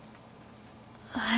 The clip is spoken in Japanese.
はい。